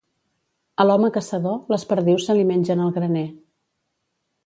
A l'home caçador, les perdius se li mengen el graner.